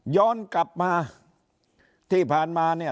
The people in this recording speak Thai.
ย้อนกลับมาที่ผ่านมาเนี่ย